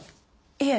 いえ。